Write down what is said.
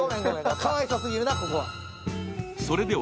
かわいそすぎるな、ここは。